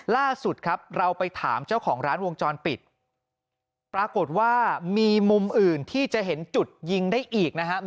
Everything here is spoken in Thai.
ล่าสุดครับเราไปถามเจ้าของร้านวงจรปิดปรากฏว่ามีมุมอื่นที่จะเห็นจุดยิงได้อีกนะครับ